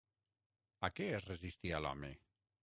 A què es resistia l'home?